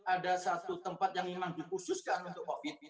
ada satu tempat yang memang dikhususkan untuk covid